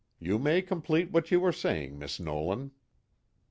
You may complete what you were saying, Miss Nolan."